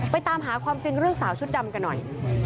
ตามหาความจริงเรื่องสาวชุดดำกันหน่อย